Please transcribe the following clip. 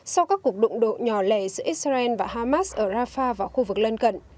sau các cuộc đụng độ nhỏ lẻ giữa israel và hamas ở rafah và khu vực lân cận